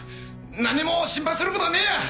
何も心配することはねえや！